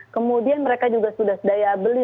kemudian mereka juga sudah daya beli